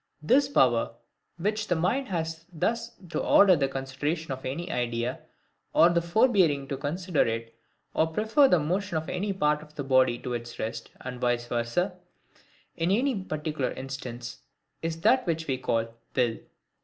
This power which the mind has thus to order the consideration of any idea, or the forbearing to consider it; or to prefer the motion of any part of the body to its rest, and vice versa, in any particular instance, is that which we call the WILL.